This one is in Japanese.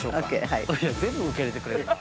◆いや、全部受け入れてくれるな。